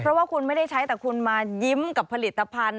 เพราะว่าคุณไม่ได้ใช้แต่คุณมายิ้มกับผลิตภัณฑ์